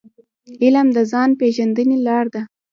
علم د ځان پېژندني لار ده.